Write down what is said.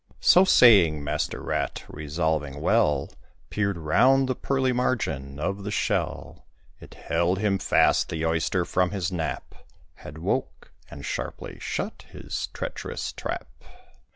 So saying, Master Rat, resolving well, Peered round the pearly margin of the shell. It held him fast: the Oyster from his nap Had woke, and sharply shut his treacherous trap.